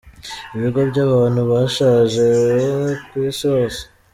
Ibigo by’abantu bashaje biba ku isi hose.